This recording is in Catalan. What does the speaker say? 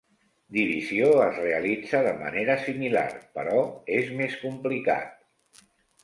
Divisió es realitza de manera similar, però és més complicat.